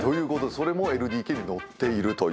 それも『ＬＤＫ』に載っているという。